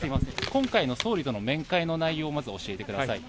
今回の総理との面会の内容をまず教えてください。